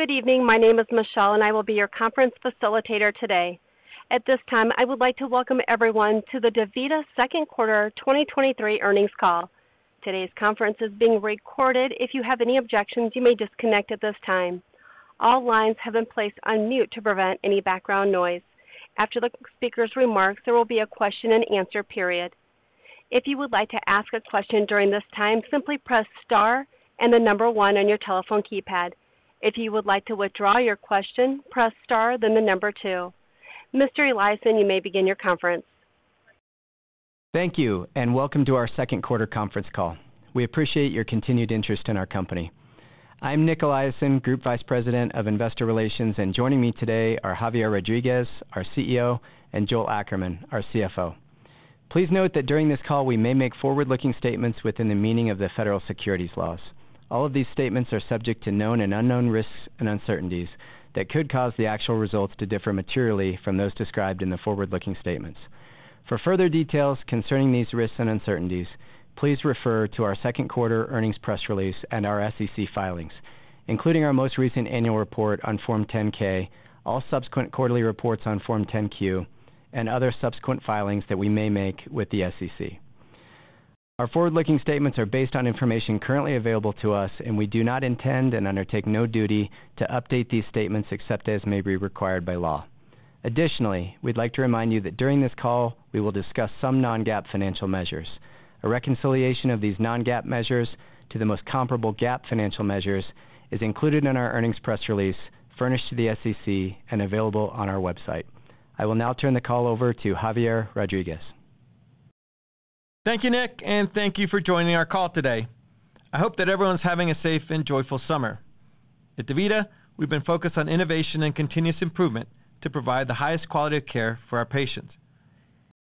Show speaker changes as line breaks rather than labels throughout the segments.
Good evening. My name is Michelle, I will be your conference facilitator today. At this time, I would like to welcome everyone to the DaVita Second Quarter 2023 earnings call. Today's conference is being recorded. If you have any objections, you may disconnect at this time. All lines have been placed on mute to prevent any background noise. After the speaker's remarks, there will be a question-and-answer period. If you would like to ask a question during this time, simply press Star and the number 1 on your telephone keypad. If you would like to withdraw your question, press Star, then the number two. Mr. Eliason, you may begin your conference.
Thank you, and welcome to our second quarter conference call. We appreciate your continued interest in our company. I'm Nic Eliason, Group Vice President of Investor Relations, and joining me today are Javier Rodriguez, our CEO, and Joel Ackerman, our CFO. Please note that during this call, we may make forward-looking statements within the meaning of the federal securities laws. All of these statements are subject to known and unknown risks and uncertainties that could cause the actual results to differ materially from those described in the forward-looking statements. For further details concerning these risks and uncertainties, please refer to our second quarter earnings press release and our SEC filings, including our most recent annual report on Form 10-K, all subsequent quarterly reports on Form 10-Q, and other subsequent filings that we may make with the SEC. Our forward-looking statements are based on information currently available to us, and we do not intend and undertake no duty to update these statements except as may be required by law. Additionally, we'd like to remind you that during this call, we will discuss some non-GAAP financial measures. A reconciliation of these non-GAAP measures to the most comparable GAAP financial measures is included in our earnings press release, furnished to the SEC, and available on our website. I will now turn the call over to Javier Rodriguez.
Thank you, Nic, and thank you for joining our call today. I hope that everyone's having a safe and joyful summer. At DaVita, we've been focused on innovation and continuous improvement to provide the highest quality of care for our patients.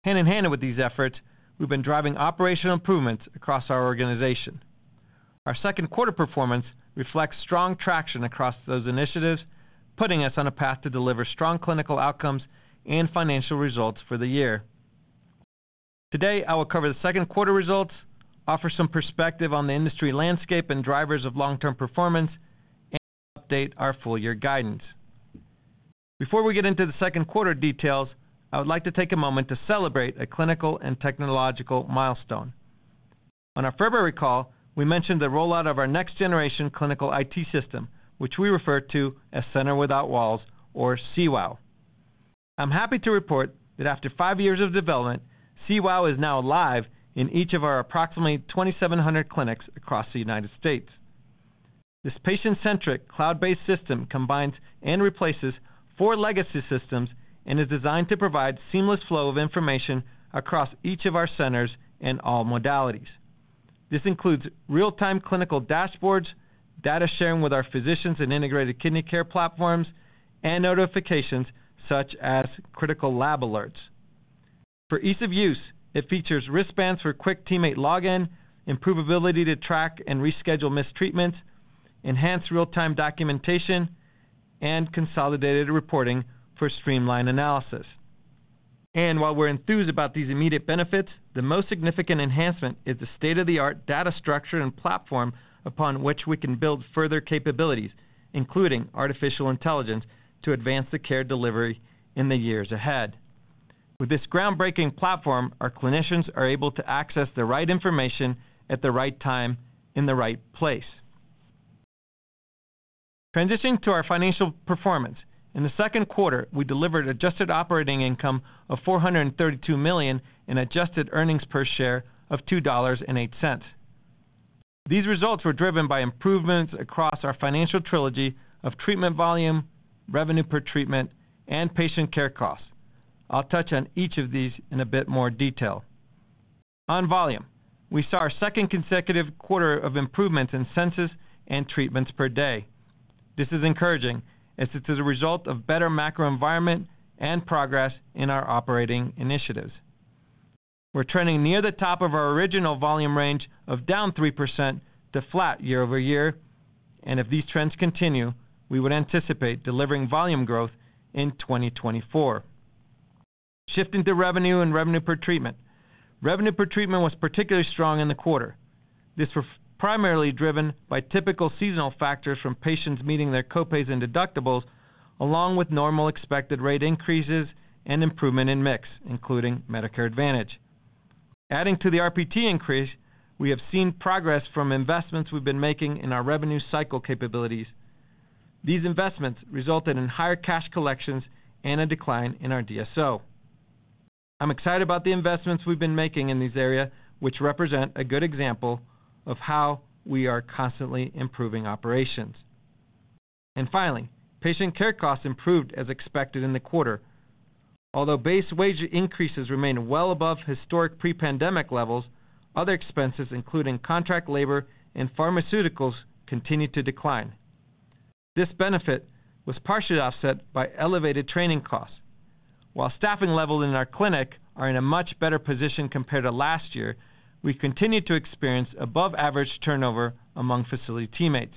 Hand in hand with these efforts, we've been driving operational improvements across our organization. Our second quarter performance reflects strong traction across those initiatives, putting us on a path to deliver strong clinical outcomes and financial results for the year. Today, I will cover the second quarter results, offer some perspective on the industry landscape and drivers of long-term performance, and update our full-year guidance. Before we get into the second quarter details, I would like to take a moment to celebrate a clinical and technological milestone. On our February call, we mentioned the rollout of our next-generation clinical IT system, which we refer to as Center Without Walls, or CWOW. I'm happy to report that after five years of development, CWOW is now live in each of our approximately 2,700 clinics across the United States. This patient-centric, cloud-based system combines and replaces four legacy systems and is designed to provide seamless flow of information across each of our centers and all modalities. This includes real-time clinical dashboards, data sharing with our physicians and integrated kidney care platforms, and notifications such as critical lab alerts. For ease of use, it features wristbands for quick teammate login, improved ability to track and reschedule missed treatments, enhanced real-time documentation, and consolidated reporting for streamlined analysis. While we're enthused about these immediate benefits, the most significant enhancement is the state-of-the-art data structure and platform upon which we can build further capabilities, including artificial intelligence, to advance the care delivery in the years ahead. With this groundbreaking platform, our clinicians are able to access the right information at the right time, in the right place. Transitioning to our financial performance. In the second quarter, we delivered adjusted operating income of $432 million and adjusted EPS of $2.08. These results were driven by improvements across our financial trilogy of treatment volume, revenue per treatment, and patient care costs. I'll touch on each of these in a bit more detail. On volume, we saw our second consecutive quarter of improvements in census and treatments per day. This is encouraging as it is a result of better macro environment and progress in our operating initiatives. We're trending near the top of our original volume range of down 3% to flat year-over-year. If these trends continue, we would anticipate delivering volume growth in 2024. Shifting to revenue and revenue per treatment. Revenue per treatment was particularly strong in the quarter. This was primarily driven by typical seasonal factors from patients meeting their copays and deductibles, along with normal expected rate increases and improvement in mix, including Medicare Advantage. Adding to the RPT increase, we have seen progress from investments we've been making in our revenue cycle capabilities. These investments resulted in higher cash collections and a decline in our DSO. I'm excited about the investments we've been making in this area, which represent a good example of how we are constantly improving operations. Finally, patient care costs improved as expected in the quarter. Although base wage increases remain well above historic pre-pandemic levels, other expenses, including contract labor and pharmaceuticals, continued to decline. This benefit was partially offset by elevated training costs. While staffing levels in our clinic are in a much better position compared to last year, we continued to experience above-average turnover among facility teammates.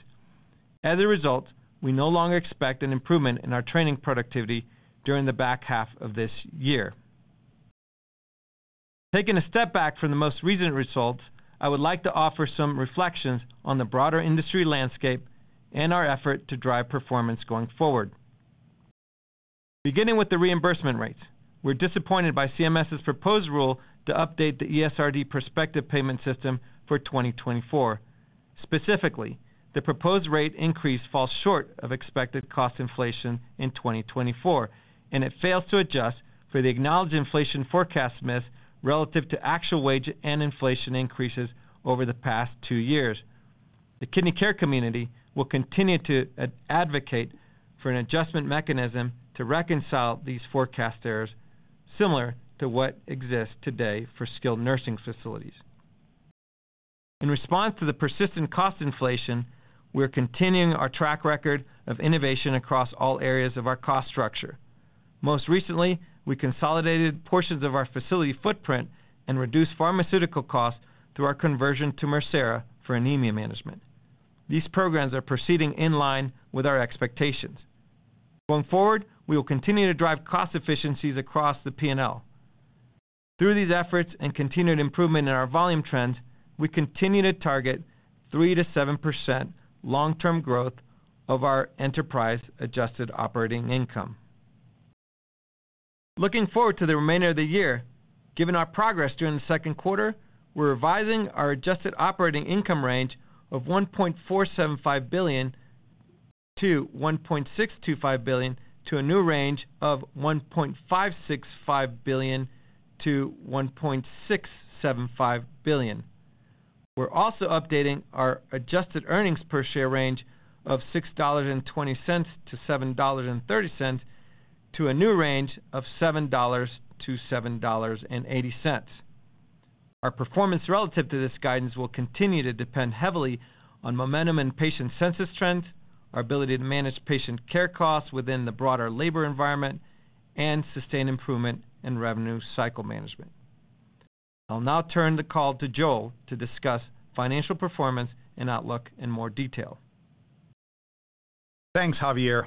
As a result, we no longer expect an improvement in our training productivity during the back half of this year. Taking a step back from the most recent results, I would like to offer some reflections on the broader industry landscape and our effort to drive performance going forward. Beginning with the reimbursement rates, we're disappointed by CMS's proposed rule to update the ESRD prospective payment system for 2024. Specifically, the proposed rate increase falls short of expected cost inflation in 2024, and it fails to adjust for the acknowledged inflation forecast miss relative to actual wage and inflation increases over the past two years. The kidney care community will continue to advocate for an adjustment mechanism to reconcile these forecast errors, similar to what exists today for skilled nursing facilities. In response to the persistent cost inflation, we're continuing our track record of innovation across all areas of our cost structure. Most recently, we consolidated portions of our facility footprint and reduced pharmaceutical costs through our conversion to Mircera for anemia management. These programs are proceeding in line with our expectations. Going forward, we will continue to drive cost efficiencies across the P&L. Through these efforts and continued improvement in our volume trends, we continue to target 3%-7% long-term growth of our enterprise Adjusted Operating Income. Looking forward to the remainder of the year, given our progress during the second quarter, we're revising our Adjusted Operating Income range of $1.475-1.625 billion to a new range of $1.565-1.675 billion. We're also updating our Adjusted Earnings Per Share range of $6.20-7.30, to a new range of $7.00-7.80. Our performance relative to this guidance will continue to depend heavily on momentum and patient census trends, our ability to manage patient care costs within the broader labor environment, and sustain improvement in revenue cycle management. I'll now turn the call to Joel to discuss financial performance and outlook in more detail.
Thanks, Javier.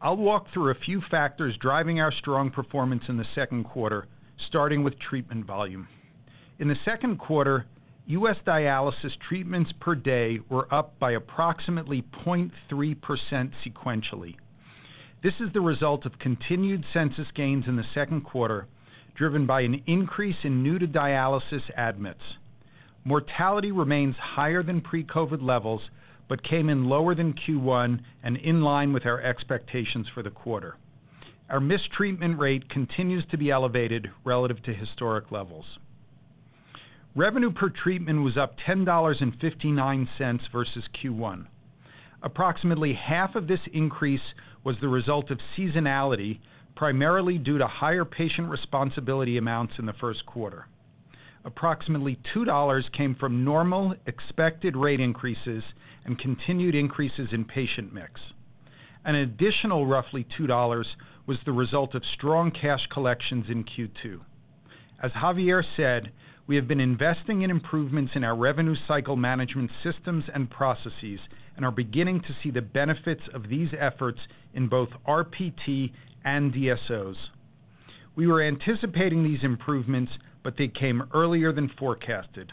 I'll walk through a few factors driving our strong performance in the second quarter, starting with treatment volume. In the second quarter, U.S. dialysis treatments per day were up by approximately 0.3% sequentially. This is the result of continued census gains in the second quarter, driven by an increase in new-to-dialysis admits. Mortality remains higher than pre-COVID levels, but came in lower than Q1 and in line with our expectations for the quarter. Our mistreatment rate continues to be elevated relative to historic levels. Revenue per treatment was up $10.59 versus Q1. Approximately half of this increase was the result of seasonality, primarily due to higher patient responsibility amounts in the first quarter. Approximately $2 came from normal, expected rate increases and continued increases in patient mix. An additional roughly $2 was the result of strong cash collections in Q2. As Javier said, we have been investing in improvements in our revenue cycle management systems and processes and are beginning to see the benefits of these efforts in both RPT and DSOs. We were anticipating these improvements, but they came earlier than forecasted.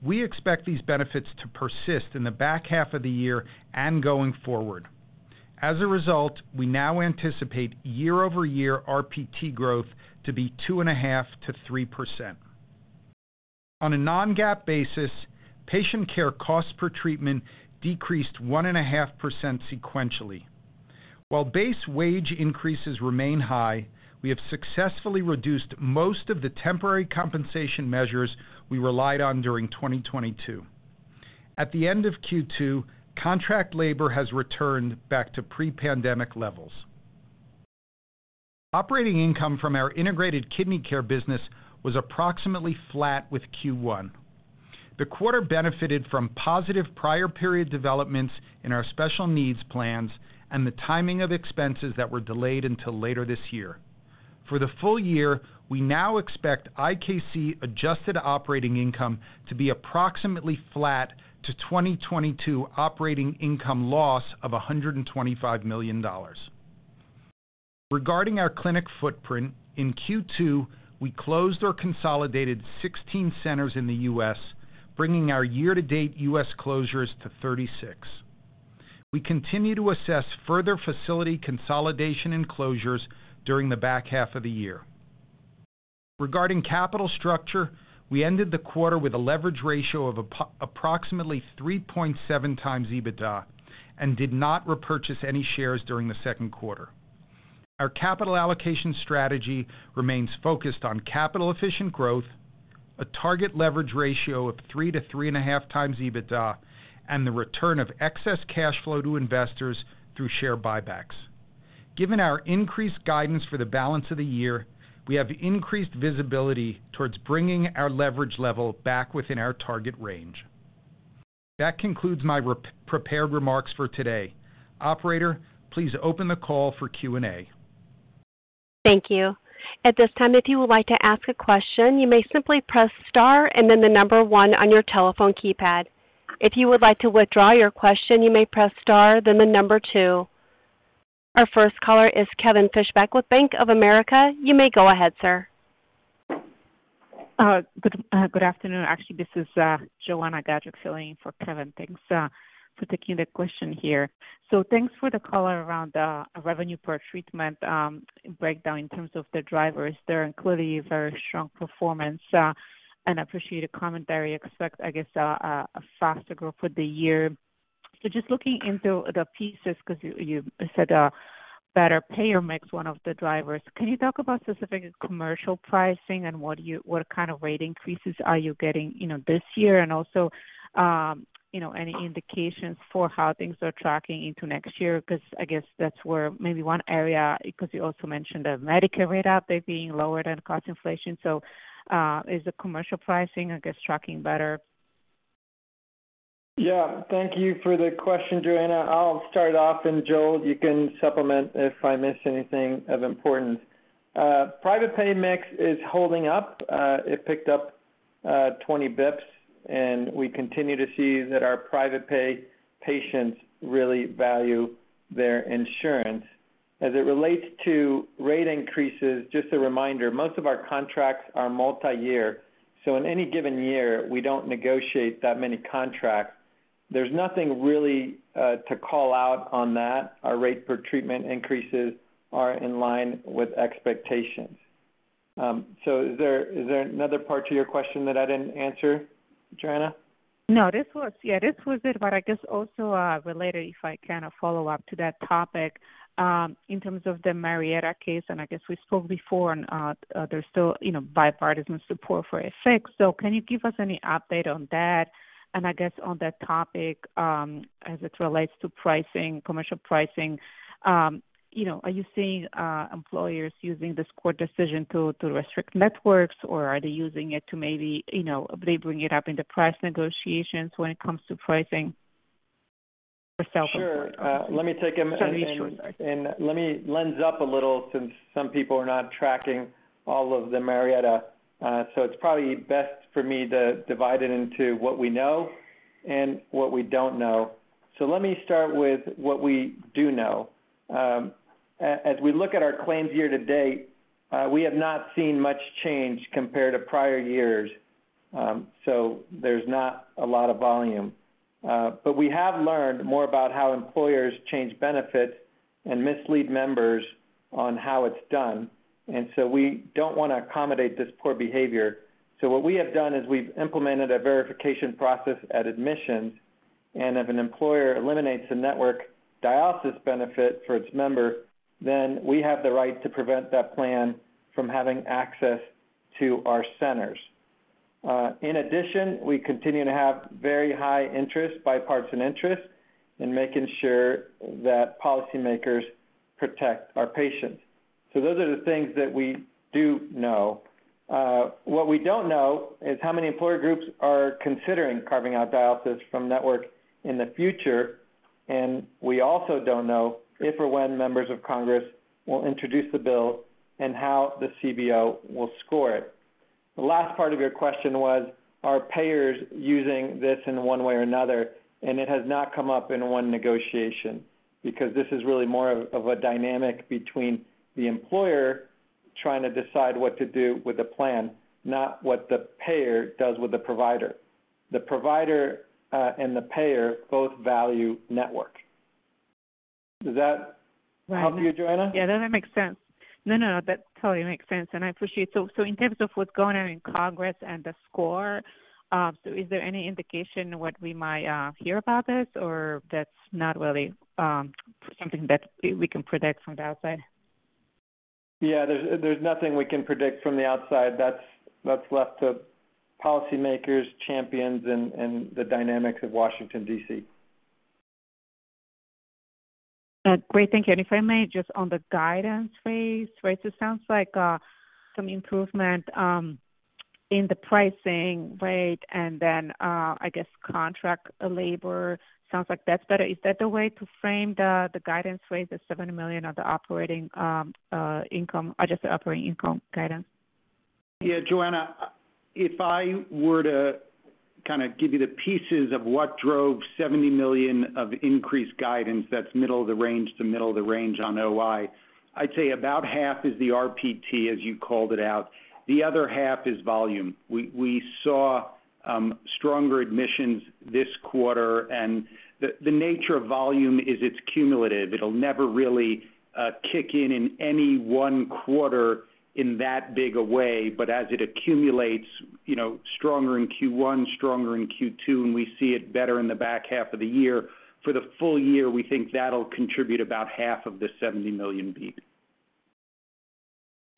We expect these benefits to persist in the back half of the year and going forward. As a result, we now anticipate year-over-year RPT growth to be 2.5%-3%. On a non-GAAP basis, patient care costs per treatment decreased 1.5% sequentially. While base wage increases remain high, we have successfully reduced most of the temporary compensation measures we relied on during 2022. At the end of Q2, contract labor has returned back to pre-pandemic levels. Operating income from our integrated kidney care business was approximately flat with Q1. The quarter benefited from positive prior period developments in our special needs plans and the timing of expenses that were delayed until later this year. For the full-year, we now expect IKC adjusted operating income to be approximately flat to 2022 operating income loss of $125 million. Regarding our clinic footprint, in Q2, we closed or consolidated 16 centers in the US, bringing our year-to-date US closures to 36. We continue to assess further facility consolidation and closures during the back half of the year. Regarding capital structure, we ended the quarter with a leverage ratio of approximately 3.7x EBITDA and did not repurchase any shares during the second quarter. Our capital allocation strategy remains focused on capital-efficient growth, a target leverage ratio of 3-3.5 times EBITDA, and the return of excess cash flow to investors through share buybacks. Given our increased guidance for the balance of the year, we have increased visibility towards bringing our leverage level back within our target range. That concludes my prepared remarks for today. Operator, please open the call for Q&A.
Thank you. At this time, if you would like to ask a question, you may simply press star and then the 1 on your telephone keypad. If you would like to withdraw your question, you may press star, then the two. Our first caller is Kevin Fischbeck with Bank of America. You may go ahead, sir.
Good afternoon. Actually, this is Joanna Gajuk filling in for Kevin. Thanks for taking the question here. Thanks for the color around the revenue per treatment breakdown in terms of the drivers there, including very strong performance. I appreciate a commentary expect, I guess, a faster growth for the year. Just looking into the pieces, because you, you said, better payer mix, one of the drivers. Can you talk about specific commercial pricing and what kind of rate increases are you getting, you know, this year? Also, you know, any indications for how things are tracking into next year, because I guess that's where maybe one area, because you also mentioned the Medicare rate out there being lower than cost inflation. Is the commercial pricing, I guess, tracking better?
Yeah, thank you for the question, Joanna. I'll start off and, Joel, you can supplement if I miss anything of importance. Private pay mix is holding up. It picked up 20 bps, and we continue to see that our private pay patients really value their insurance. As it relates to rate increases, just a reminder, most of our contracts are multi-year, so in any given year we don't negotiate that many contracts. There's nothing really to call out on that. Our revenue per treatment increases are in line with expectations. Is there, is there another part to your question that I didn't answer, Joanna?
No, this was... Yeah, this was it. I guess also, related, if I can, follow up to that topic, in terms of the Marietta case, and I guess we spoke before and, there's still, you know, bipartisan support for a fix. Can you give us any update on that? I guess on that topic, as it relates to pricing, commercial pricing, you know, are you seeing employers using this court decision to, to restrict networks, or are they using it to maybe, you know, they bring it up in the price negotiations when it comes to pricing for self-employed?
Sure. Let me take.
Sorry, sure.
Let me lens up a little, since some people are not tracking all of the Marietta, so it's probably best for me to divide it into what we know and what we don't know. Let me start with what we do know. As we look at our claims year-to-date, we have not seen much change compared to prior years, so there's not a lot of volume. We have learned more about how employers change benefits and mislead members on how it's done, and so we don't want to accommodate this poor behavior. What we have done is we've implemented a verification process at admissions, and if an employer eliminates a network dialysis benefit for its member, then we have the right to prevent that plan from having access to our centers. In addition, we continue to have very high interest, bipartisan interest in making sure that policymakers protect our patients. Those are the things that we do know. What we don't know is how many employer groups are considering carving out dialysis from network in the future, and we also don't know if or when members of Congress will introduce the bill and how the CBO will score it. The last part of your question was, are payers using this in one way or another? It has not come up in one negotiation, because this is really more of, of a dynamic between the employer trying to decide what to do with the plan, not what the payer does with the provider. The provider and the payer both value network. Does that help you, Joanna?
Yeah, that makes sense. No, no, that totally makes sense, and I appreciate it. So in terms of what's going on in Congress and the score, so is there any indication what we might hear about this, or that's not really something that we can predict from the outside?
Yeah, there's, there's nothing we can predict from the outside. That's, that's left to policymakers, champions, and, and the dynamics of Washington, D.C.
Great, thank you. If I may, just on the guidance phase, right, it sounds like some improvement in the pricing rate and then I guess contract labor sounds like that's better. Is that the way to frame the guidance rate, the $70 million of the operating income, or just the operating income guidance?
Yeah, Joanna, if I were to kind of give you the pieces of what drove $70 million of increased guidance, that's middle of the range to middle of the range on OI. I'd say about half is the RPT, as you called it out. The other half is volume. We saw stronger admissions this quarter, and the nature of volume is it's cumulative. It'll never really kick in in any one quarter in that big a way, but as it accumulates, you know, stronger in Q1, stronger in Q2, and we see it better in the back half of the year. For the full-year, we think that'll contribute about half of the $70 million beat.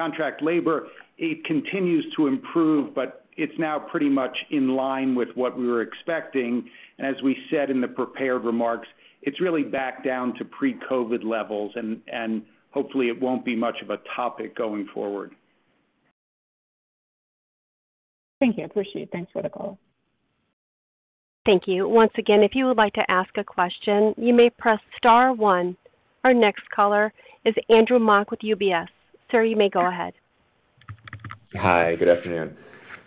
Contract labor, it continues to improve, but it's now pretty much in line with what we were expecting. As we said in the prepared remarks, it's really back down to pre-COVID levels, and hopefully it won't be much of a topic going forward.
Thank you. I appreciate it. Thanks for the call.
Thank you. Once again, if you would like to ask a question, you may press star one. Our next caller is Andrew Mok with UBS. Sir, you may go ahead.
Hi, good afternoon.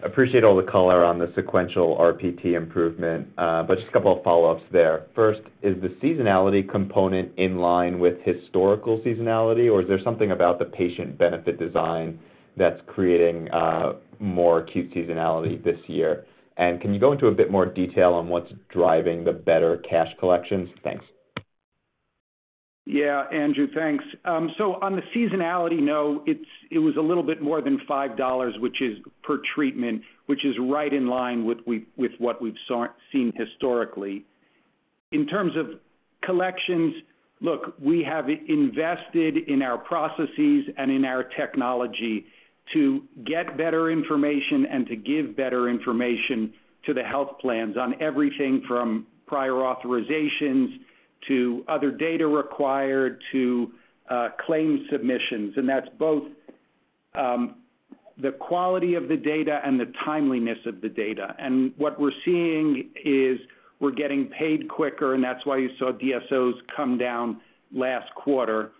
Appreciate all the color on the sequential RPT improvement, but just a couple of follow-ups there. First, is the seasonality component in line with historical seasonality, or is there something about the patient benefit design that's creating more acute seasonality this year? Can you go into a bit more detail on what's driving the better cash collections? Thanks.
Yeah, Andrew, thanks. So on the seasonality, no, it was a little bit more than $5, which is per treatment, which is right in line with we, with what we've seen historically. In terms of collections, look, we have invested in our processes and in our technology to get better information and to give better information to the health plans on everything from prior authorizations to other data required to claim submissions. That's both the quality of the data and the timeliness of the data. What we're seeing is we're getting paid quicker, and that's why you saw DSOs come down last quarter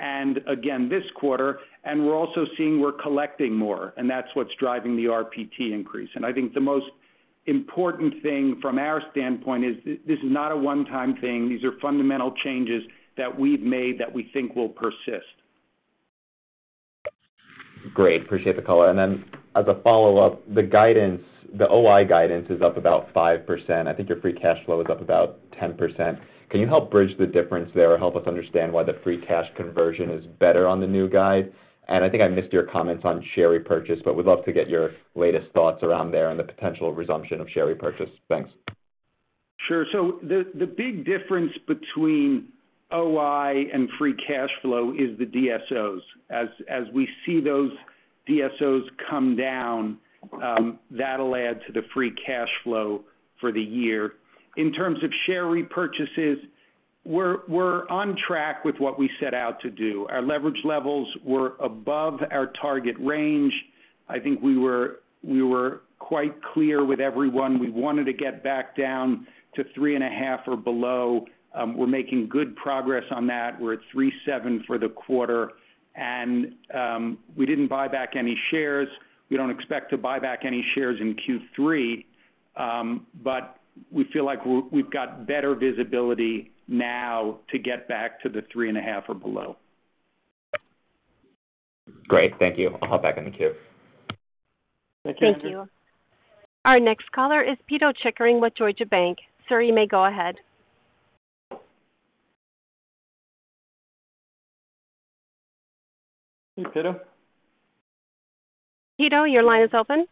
and again this quarter, and we're also seeing we're collecting more, and that's what's driving the RPT increase. I think the most important thing from our standpoint is this is not a one-time thing. These are fundamental changes that we've made that we think will persist.
Great. Appreciate the color. As a follow-up, the guidance, the OI guidance is up about 5%. I think your free cash flow is up about 10%. Can you help bridge the difference there or help us understand why the free cash conversion is better on the new guide? I think I missed your comments on share repurchase, but would love to get your latest thoughts around there and the potential resumption of share repurchase. Thanks.
Sure. The, the big difference between OI and free cash flow is the DSOs. As, as we see those DSOs come down, that'll add to the free cash flow for the year. In terms of share repurchases, we're, we're on track with what we set out to do. Our leverage levels were above our target range. I think we were, we were quite clear with everyone. We wanted to get back down to 3.5 or below. We're making good progress on that. We're at 3.7 for the quarter, and we didn't buy back any shares. We don't expect to buy back any shares in Q3, but we feel like we've got better visibility now to get back to the 3.5 or below.
Great. Thank you. I'll hop back in the queue.
Thank you.
Thank you. Our next caller is Pito Chickering with Deutsche Bank. Sir, you may go ahead.
Hey, Peter.
Peter, your line is open?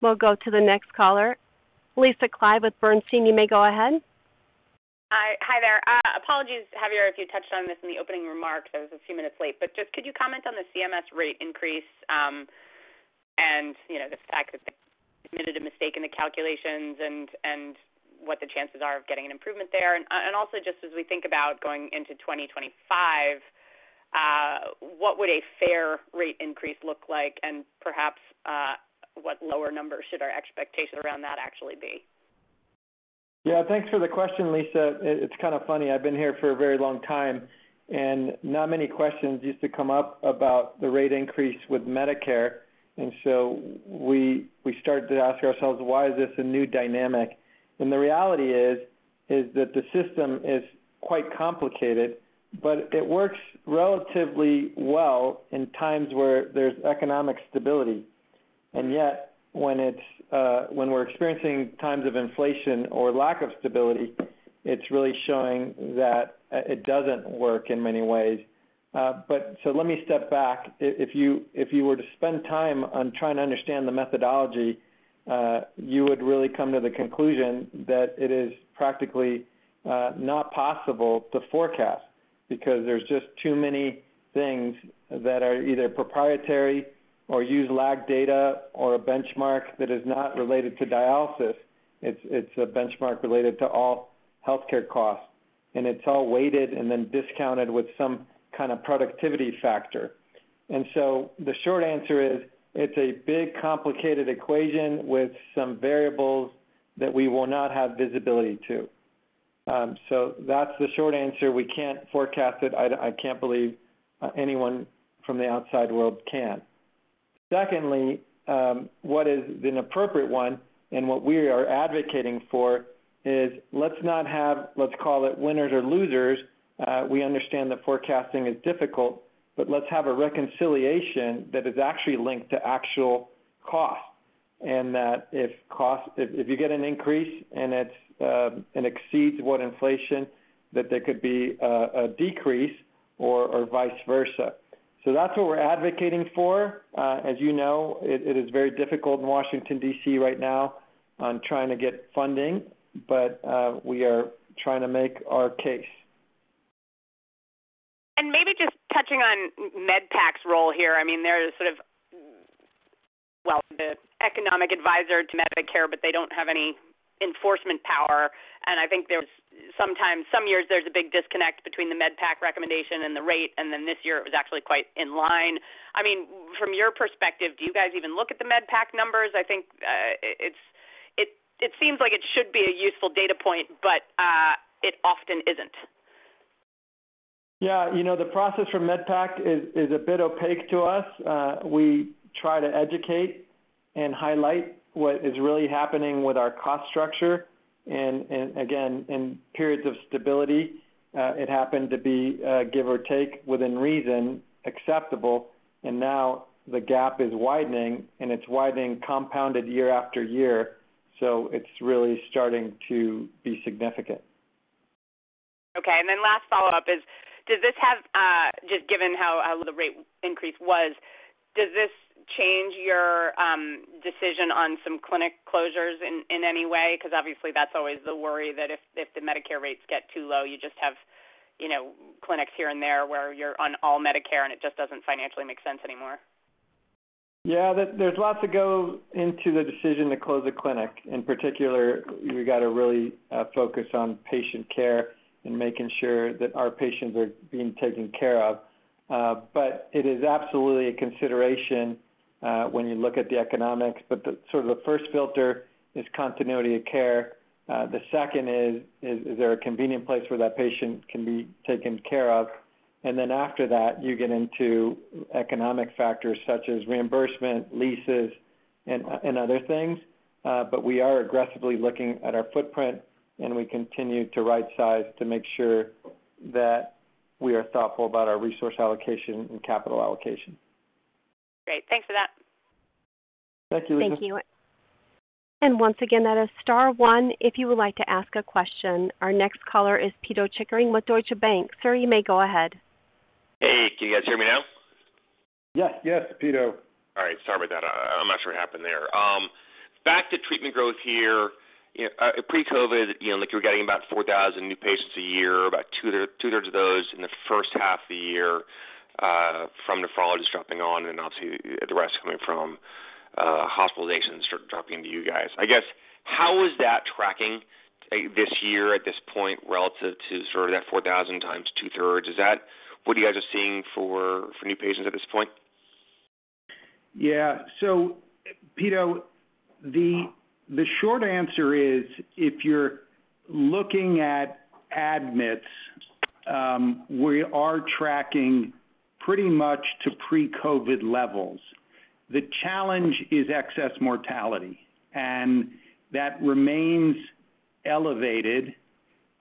We'll go to the next caller. Lisa Clive with Bernstein. You may go ahead.
Hi. Hi there. apologies, Javier, if you touched on this in the opening remarks, I was a few minutes late. just could you comment on the CMS rate increase, and, you know, the fact that they admitted a mistake in the calculations and what the chances are of getting an improvement there? also, just as we think about going into 2025, what would a fair rate increase look like? perhaps, what lower numbers should our expectation around that actually be?
Yeah, thanks for the question, Lisa. It, it's kind of funny. I've been here for a very long time, and not many questions used to come up about the rate increase with Medicare. We, we start to ask ourselves, why is this a new dynamic? The reality is, is that the system is quite complicated, but it works relatively well in times where there's economic stability. When it's, when we're experiencing times of inflation or lack of stability, it's really showing that it doesn't work in many ways. Let me step back. If, if you, if you were to spend time on trying to understand the methodology, you would really come to the conclusion that it is practically not possible to forecast because there's just too many things that are either proprietary or use lag data or a benchmark that is not related to dialysis. It's a benchmark related to all healthcare costs, it's all weighted and then discounted with some kind of productivity factor. The short answer is: It's a big complicated equation with some variables that we will not have visibility to. That's the short answer. We can't forecast it. I can't believe anyone from the outside world can. Secondly, what is an appropriate one and what we are advocating for is let's not have, let's call it winners or losers. We understand that forecasting is difficult, let's have a reconciliation that is actually linked to actual costs, and that if costs-- if you get an increase and it's and exceeds what inflation, that there could be a decrease or, or vice versa. That's what we're advocating for. As you know, it is very difficult in Washington, D.C., right now on trying to get funding, we are trying to make our case.
Maybe just touching on MedPAC's role here. I mean, they're sort of, well, the economic advisor to Medicare, but they don't have any enforcement power. I think there's sometimes, some years, there's a big disconnect between the MedPAC recommendation and the rate, and then this year it was actually quite in line. I mean, from your perspective, do you guys even look at the MedPAC numbers? I think it seems like it should be a useful data point, but it often isn't.
Yeah, you know, the process for MedPAC is, is a bit opaque to us. We try to educate and highlight what is really happening with our cost structure. Again, in periods of stability, it happened to be, give or take within reason, acceptable. Now the gap is widening, and it's widening compounded year-after-year, so it's really starting to be significant.
Okay. Last follow-up is, does this have, just given how the rate increase was, does this change your decision on some clinic closures in, in any way? Obviously that's always the worry, that if, if the Medicare rates get too low, you just have, you know, clinics here and there where you're on all Medicare, and it just doesn't financially make sense anymore.
Yeah. There, there's lots to go into the decision to close a clinic. In particular, we've got to really focus on patient care and making sure that our patients are being taken care of. It is absolutely a consideration when you look at the economics. The, sort of the first filter is continuity of care. The second is, is there a convenient place where that patient can be taken care of? Then after that, you get into economic factors such as reimbursement, leases, and, and other things. We are aggressively looking at our footprint, and we continue to right-size to make sure that we are thoughtful about our resource allocation and capital allocation.
Great. Thanks for that.
Thank you, Lisa.
Thank you. Once again, that is star one, if you would like to ask a question. Our next caller is Pito Chickering with Deutsche Bank. Sir, you may go ahead.
Hey, can you guys hear me now?
Yes. Yes, Pito.
All right. Sorry about that. I'm not sure what happened there. Back to treatment growth here. Pre-COVID, you know, like, you were getting about 4,000 new patients a year, about two-thirds of those in the first half of the year, from nephrologists dropping on, and then I'll see the rest coming from hospitalizations dropping to you guys. I guess, how is that tracking this year at this point, relative to sort of that 4,000 times two-thirds? Is that what you guys are seeing for new patients at this point?
Yeah. Pito, the short answer is, if you're looking at admits, we are tracking pretty much to pre-COVID levels. The challenge is excess mortality, that remains elevated,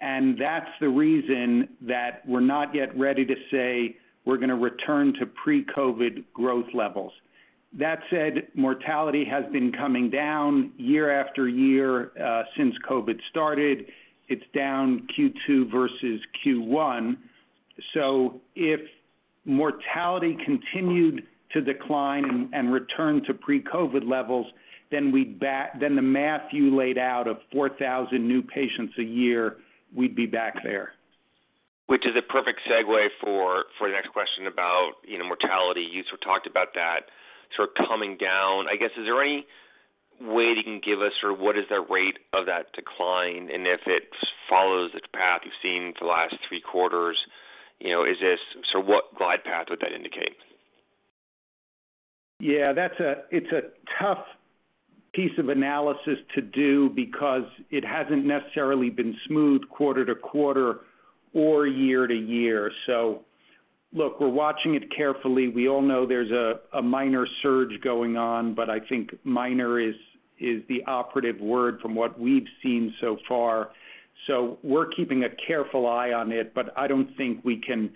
and that's the reason that we're not yet ready to say we're gonna return to pre-COVID growth levels. That said, mortality has been coming down year-after-year since COVID started. It's down Q2 versus Q1. If mortality continued to decline and return to pre-COVID levels, then the math you laid out of 4,000 new patients a year, we'd be back there.
Which is a perfect segue for, for the next question about, you know, mortality. You sort of talked about that sort of coming down. I guess, is there any way that you can give us or what is the rate of that decline? And if it follows the path you've seen for the last three quarters, you know, so what glide path would that indicate?
Yeah, that's it's a tough piece of analysis to do because it hasn't necessarily been smooth quarter-to-quarter or year-to-year. Look, we're watching it carefully. We all know there's a minor surge going on, but I think minor is, is the operative word from what we've seen so far. We're keeping a careful eye on it, but I don't think we can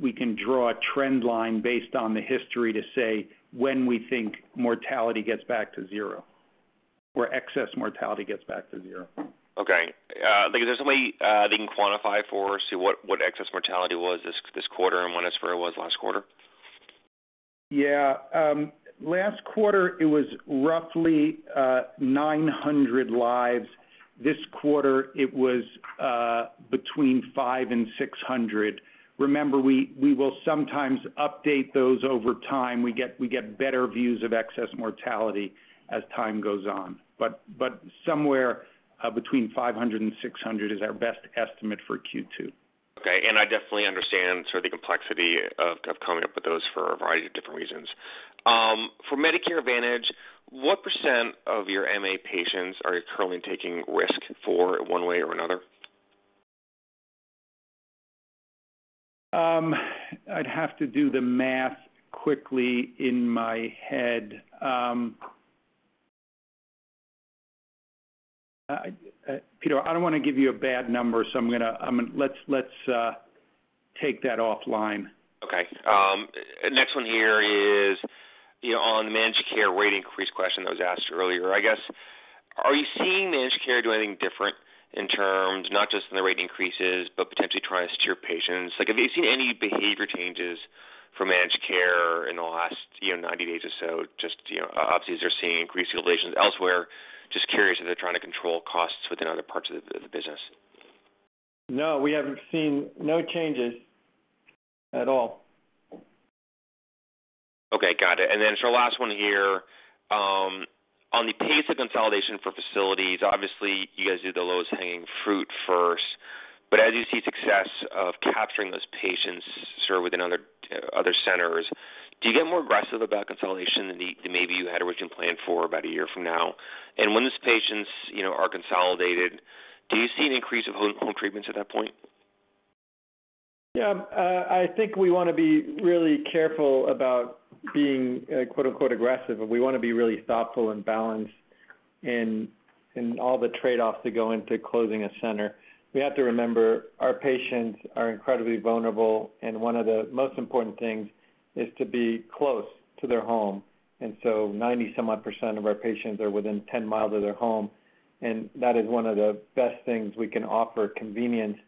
we can draw a trend line based on the history to say when we think mortality gets back to zero, or excess mortality gets back to zero.
Okay, like, is there some way, you can quantify for us to what, what excess mortality was this, this quarter and when it's, where it was last quarter?
Yeah. Last quarter it was roughly, 900 lives. This quarter, it was, between 500 and 600. Remember, we, we will sometimes update those over time. We get, we get better views of excess mortality as time goes on. Somewhere, between 500 and 600 is our best estimate for Q2.
Okay. I definitely understand sort of the complexity of, of coming up with those for a variety of different reasons. For Medicare Advantage, what percent of your MA patients are you currently taking risk for one way or another?
I'd have to do the math quickly in my head. Peter, I don't want to give you a bad number, so I'm gonna. Let's take that offline.
Okay. next one here is, you know, on the managed care rate increase question that was asked earlier, I guess, are you seeing managed care do anything different in terms, not just in the rate increases, but potentially trying to steer patients? Like, have you seen any behavior changes from managed care in the last, you know, 90 days or so? Obviously, as they're seeing increased relations elsewhere, just curious if they're trying to control costs within other parts of the, the business.
No, we haven't seen no changes at all.
Okay, got it. Last one here. On the pace of consolidation for facilities, obviously you guys do the lowest hanging fruit first. As you see success of capturing those patients served within other, other centers, do you get more aggressive about consolidation than maybe you had originally planned for about a year from now? When these patients, you know, are consolidated, do you see an increase of home, home treatments at that point?
Yeah, I think we want to be really careful about being, quote-unquote, aggressive, but we want to be really thoughtful and balanced in all the trade-offs that go into closing a center. We have to remember, our patients are incredibly vulnerable, and one of the most important things is to be close to their home. So 90-some odd % of our patients are within 10 miles of their home, and that is one of the best things we can offer: convenience.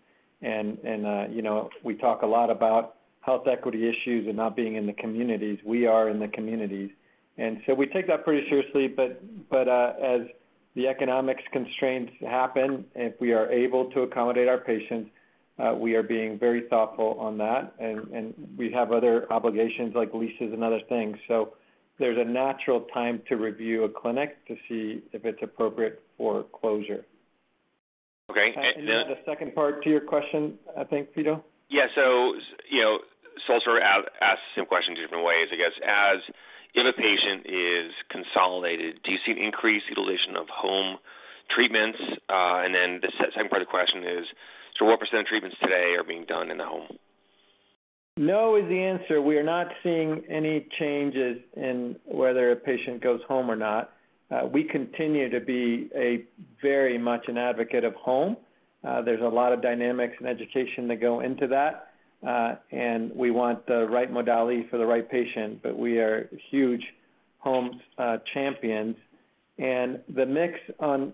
You know, we talk a lot about health equity issues and not being in the communities. We are in the communities, and so we take that pretty seriously. But, as the economics constraints happen, if we are able to accommodate our patients, we are being very thoughtful on that. We have other obligations like leases and other things. There's a natural time to review a clinic to see if it's appropriate for closure.
Okay, and then-
The second part to your question, I think, Peter?
Yeah. you know, I'll sort of ask, ask the same question in different ways, I guess. If a patient is consolidated, do you see an increase utilization of home treatments? The second part of the question is, what % of treatments today are being done in the home?
No is the answer. We are not seeing any changes in whether a patient goes home or not. We continue to be a very much an advocate of home. There's a lot of dynamics and education that go into that, and we want the right modality for the right patient. We are huge home champions, and the mix on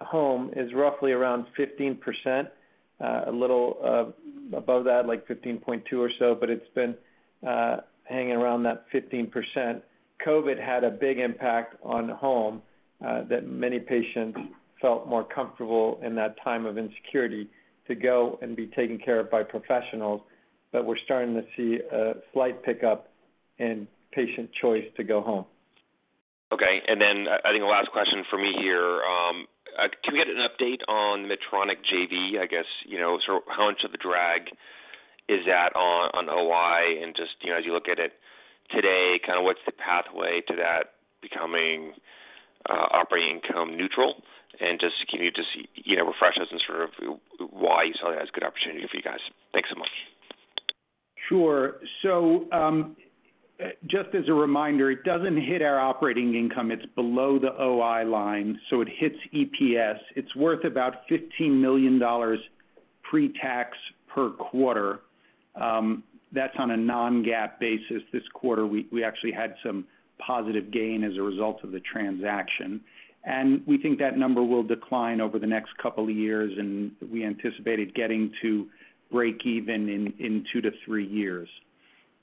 home is roughly around 15%, a little above that, like 15.2 or so, but it's been hanging around that 15%. COVID had a big impact on home, that many patients felt more comfortable in that time of insecurity to go and be taken care of by professionals. We're starting to see a slight pickup in patient choice to go home.
Okay. Then I think the last question for me here. Can we get an update on Medtronic JV? I guess, you know, how much of the drag is that on, on OI? Just, you know, as you look at it today, kind of what's the pathway to that becoming operating income neutral? Just, can you just, you know, refresh us on sort of why you saw it as a good opportunity for you guys? Thanks so much.
Sure. Just as a reminder, it doesn't hit our operating income. It's below the OI line, so it hits EPS. It's worth about $15 million pretax per quarter. That's on a non-GAAP basis. This quarter, we actually had some positive gain as a result of the transaction, and we think that number will decline over the next couple of years, and we anticipated getting to breakeven in two to three years.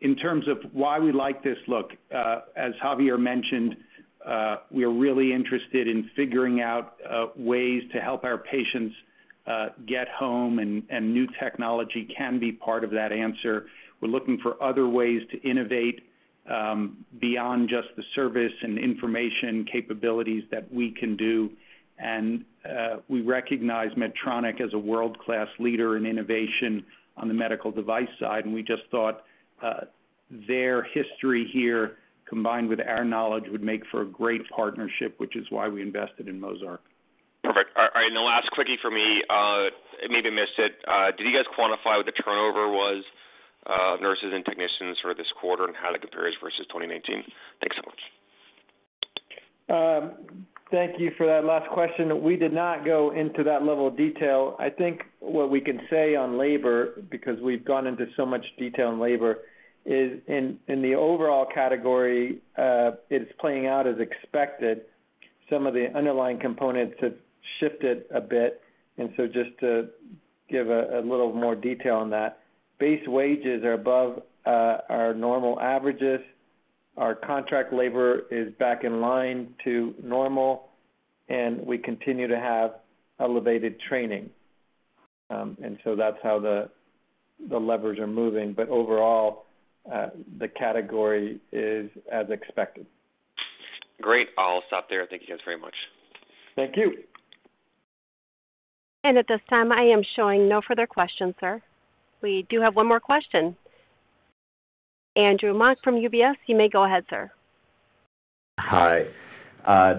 In terms of why we like this, look, as Javier mentioned, we are really interested in figuring out ways to help our patients get home, and new technology can be part of that answer. We're looking for other ways to innovate, beyond just the service and information capabilities that we can do. We recognize Medtronic as a world-class leader in innovation on the medical device side, we just thought their history here, combined with our knowledge, would make for a great partnership, which is why we invested in Mozarc.
Perfect. All right, the last quickie for me. I may have missed it. Did you guys quantify what the turnover was, nurses and technicians for this quarter and how it compares versus 2019? Thanks so much.
Thank you for that last question. We did not go into that level of detail. I think what we can say on labor, because we've gone into so much detail on labor, is in, in the overall category, it's playing out as expected. Some of the underlying components have shifted a bit, just to give a little more detail on that, base wages are above our normal averages. Our contract labor is back in line to normal, we continue to have elevated training. That's how the levers are moving. Overall, the category is as expected.
Great. I'll stop there. Thank you guys very much.
Thank you.
At this time, I am showing no further questions, sir. We do have one more question. Andrew Mok from UBS. You may go ahead, sir.
Hi.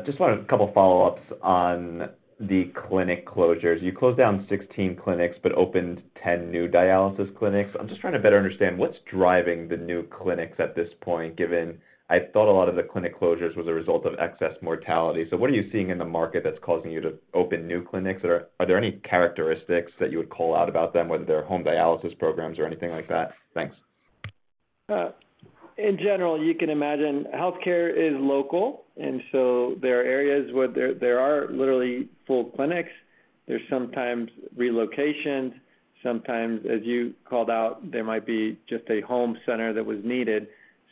just wanted a couple follow-ups on the clinic closures. You closed down 16 clinics but opened 10 new dialysis clinics. I'm just trying to better understand what's driving the new clinics at this point, given I thought a lot of the clinic closures was a result of excess mortality. What are you seeing in the market that's causing you to open new clinics? Are, are there any characteristics that you would call out about them, whether they're home dialysis programs or anything like that? Thanks.
In general, you can imagine healthcare is local, and so there are areas where there, there are literally full clinics. There's sometimes relocations, sometimes, as you called out, there might be just a home center that was needed.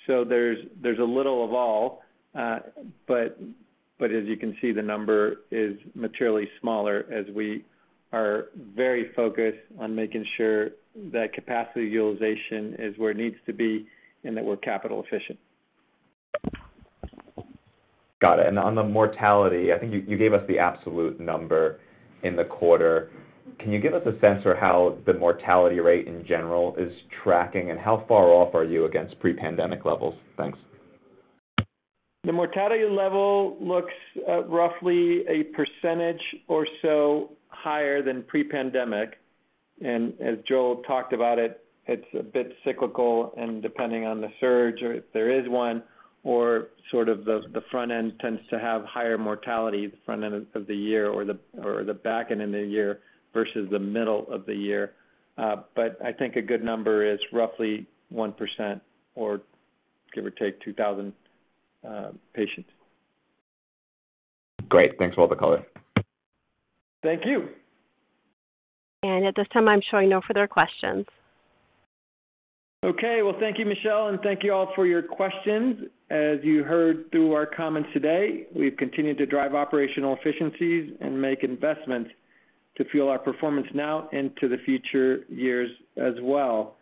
There's, there's a little of all. As you can see, the number is materially smaller as we are very focused on making sure that capacity utilization is where it needs to be and that we're capital efficient.
Got it. On the mortality, I think you, you gave us the absolute number in the quarter. Can you give us a sense for how the mortality rate in general is tracking, and how far off are you against pre-pandemic levels? Thanks.
The mortality level looks, roughly 1% or so higher than pre-pandemic, and as Joel talked about it, it's a bit cyclical and depending on the surge or if there is one, or sort of the, the front end tends to have higher mortality, the front end of the year or the, or the back end of the year versus the middle of the year. I think a good number is roughly 1% or give or take 2,000 patients.
Great. Thanks for all the color.
Thank you.
At this time, I'm showing no further questions.
Okay. Well, thank you, Michelle. Thank you all for your questions. As you heard through our comments today, we've continued to drive operational efficiencies and make investments to fuel our performance now into the future years as well.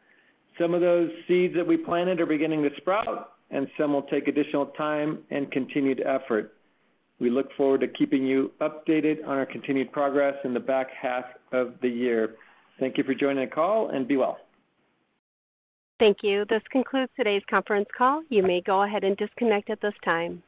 Some of those seeds that we planted are beginning to sprout. Some will take additional time and continued effort. We look forward to keeping you updated on our continued progress in the back half of the year. Thank you for joining the call. Be well.
Thank you. This concludes today's conference call. You may go ahead and disconnect at this time.